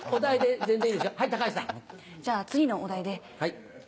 じゃあ次のお題で。